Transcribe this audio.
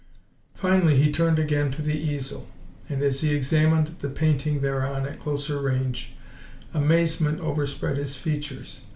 Finally he turned again to the easel, and as he examined the painting thereon at closer range, amazement overspread his features.